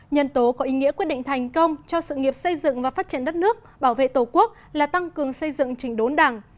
nhân tố có ý nghĩa quyết định thành công cho sự nghiệp xây dựng và phát triển đất nước bảo vệ tổ quốc là tăng cường xây dựng trình đốn đảng